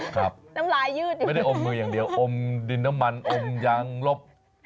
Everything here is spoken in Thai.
ครับไม่ได้อมมืออย่างเดียวอมดินน้ำมันอมยังลบ